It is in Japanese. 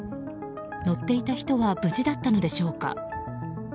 乗っていた人は無事だったのでしょうか。